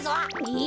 え！